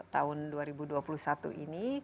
tahun dua ribu dua puluh satu ini